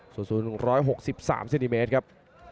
ส่วนสุด๑๖๓ซินิเมตรครับ